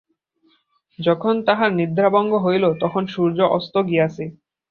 যখন তাহার নিদ্রাভঙ্গ হইল তখন সূর্য অস্ত গিয়াছে।